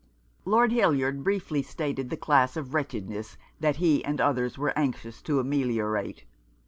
Lord Hildyard briefly stated the class of wretchedness that he and others were anxious to ameliorate.